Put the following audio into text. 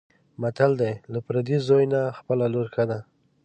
متل دی: له پردي زوی نه خپله لور ښه ده.